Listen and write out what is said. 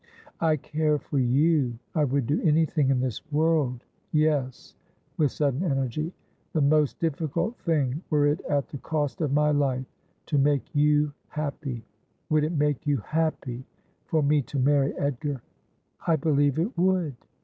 ' I care for you. I would do anything in this world — yes,' with sudden energy, ' the most difficult thing, were it at the cost of my life — to make you happy. Would it make you happy for me to marry Edgar ?'' I believe it would.'